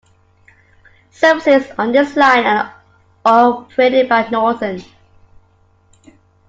Services on this line are operated by Northern.